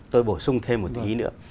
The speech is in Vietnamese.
tôi bổ sung thêm một tí nữa